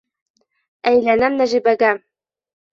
Әйләнәм Нәжибәгә!